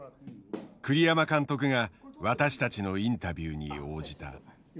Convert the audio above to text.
栗山監督が私たちのインタビューに応じた。